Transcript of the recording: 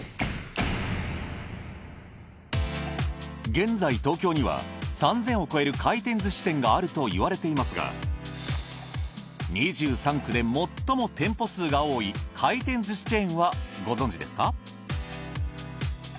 現在東京には３，０００を超える回転寿司店があるといわれていますが２３区で最も店舗数が多い回転寿司チェーンはご存じですか？